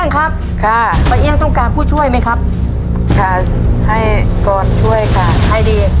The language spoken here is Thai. ครับค่ะป้าเอี่ยงต้องการผู้ช่วยไหมครับค่ะให้กรช่วยค่ะให้ดี